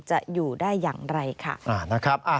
จะอยู่ได้อย่างไรค่ะ